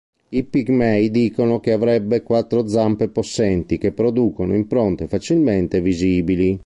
I pigmei dicono che avrebbe quattro zampe possenti che producono impronte facilmente visibili.